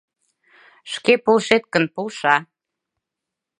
ШКЕ ПОЛШЕТ ГЫН, ПОЛША